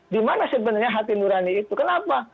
di mana sebenarnya hati nurani itu kenapa